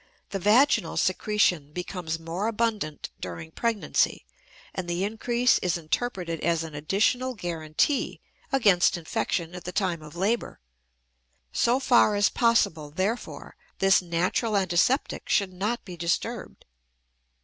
The vaginal secretion becomes more abundant during pregnancy, and the increase is interpreted as an additional guarantee against infection at the time of labor. So far as possible, therefore, this natural antiseptic should not be disturbed.